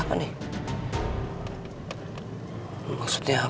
dan mencoba meregangnya